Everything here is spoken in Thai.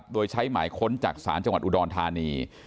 โดยใช้หมายค้นจากศาลจังหวัดอุดรธานี